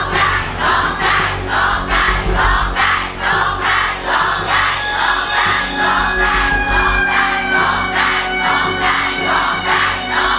ร้องได้ร้องได้ร้องได้ร้องได้ร้องได้